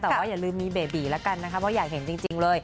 แต่อย่าลืมมีเบบีย์ก็กันนะครับ